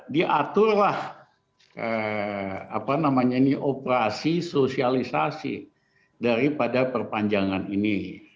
diaturlah operasi sosialisasi daripada perpanjangan ini